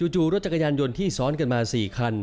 จู่รถจักรยานยนต์ที่ซ้อนกันมา๔คัน